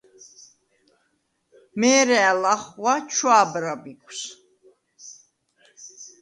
მე̄რა̄̈ლ ახღუ̂ა ჩუ̂ა̄ბრა ბიქუ̂ს.